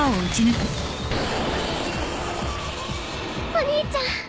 お兄ちゃん！